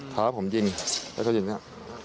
ท้าผมยิงแล้วเขายิงนี่